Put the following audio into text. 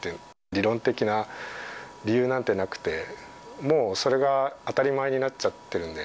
理論的な理由なんてなくて、もうそれが当たり前になっちゃってるんで。